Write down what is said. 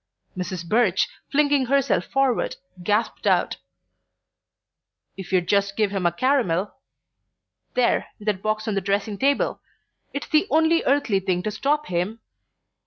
Mrs. Birch, flinging herself forward, gasped out: "If you'd just give him a caramel ... there, in that box on the dressing table ... it's the only earthly thing to stop him..."